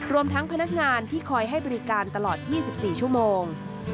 รวมทั้งพนักงานที่คอยให้บริการตลอด๒๔ชั่วโมง